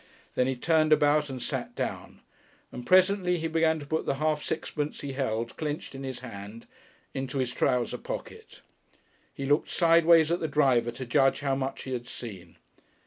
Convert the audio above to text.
Then he turned about and sat down, and presently he began to put the half sixpence he held clenched in his hand into his trouser pocket. He looked sideways at the driver, to judge how much he had seen.